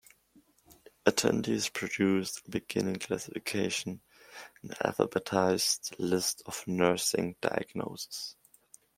Attendees produced a beginning classification, an alphabetized list of nursing diagnoses.